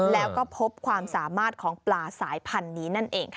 แล้วก็พบความสามารถของปลาสายพันธุ์นี้นั่นเองค่ะ